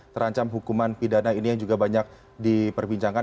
terancam hukuman pidana ini yang juga banyak diperbincangkan